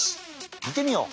みてみよう！